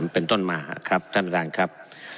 เป็นต้นมาครับท่านประธานครับ